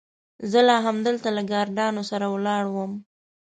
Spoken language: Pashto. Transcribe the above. زه لا همدلته له ګاردانو سره ولاړ وم.